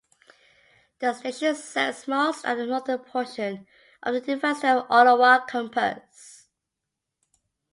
The station serves most of the northern portion of the University of Ottawa campus.